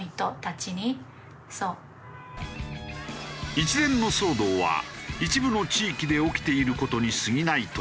一連の騒動は一部の地域で起きている事に過ぎないという。